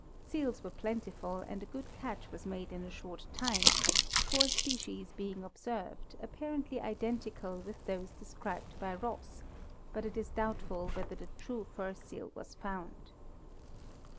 Seals were plentiful and a good catch was made in a short time, four species being observed, apparently identical with those described by Ross, but it is doubtful whether the true fur seal was found.